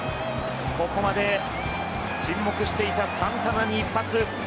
ここまで沈黙していたサンタナに一発。